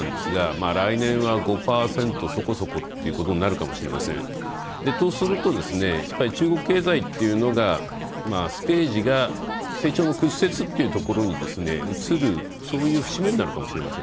来年は５％そこそこということに。とすると、中国経済というのがステージが成長の屈折に移るそういう節目になるかもしれません。